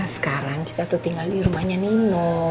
sekarang kita tuh tinggal di rumahnya nino